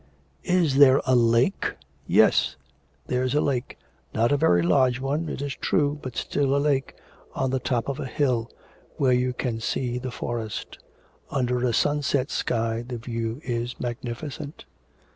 Is there a lake?' 'Yes, there's a lake not a very large one, it is true, but still a lake on the top of a hill where you can see the forest. Under a sunset sky the view is magnificent.'